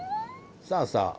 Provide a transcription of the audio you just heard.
さあさあ